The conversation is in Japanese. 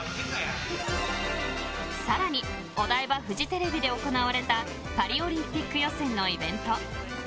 更にお台場フジテレビで行われたパリオリンピック予選のイベント。